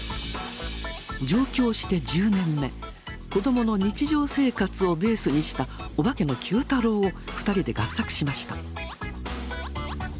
上京して１０年目子どもの日常生活をベースにした「オバケのＱ太郎」を２人で合作しました。